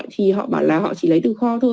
thì họ bảo là họ chỉ lấy từ kho thôi